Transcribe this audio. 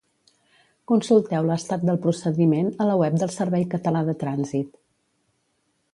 Consulteu l'estat del procediment a la web del Servei Català de Trànsit.